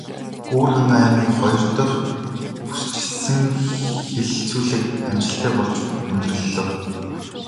Өвөрхангай аймгийн хоёр дахь бүсчилсэн хэлэлцүүлэг амжилттай болж өндөрлөлөө.